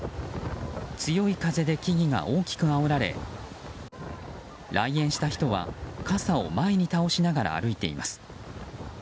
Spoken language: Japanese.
強い風で木々が大きくあおられ来園した人は傘を前に倒しながら歩いています。